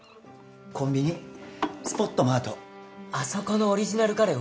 コンビニスポットマートあそこのオリジナルカレー